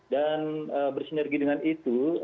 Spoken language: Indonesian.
dan bersinergi dengan itu